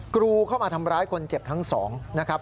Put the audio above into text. กรูเข้ามาทำร้ายคนเจ็บทั้งสองนะครับ